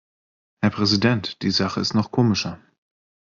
Herr Präsident, die Sache ist noch komischer.